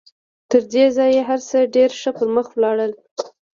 تر دې ځايه هر څه ډېر ښه پر مخ ولاړل.